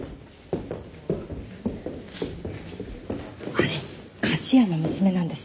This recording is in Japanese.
あれ菓子屋の娘なんですって？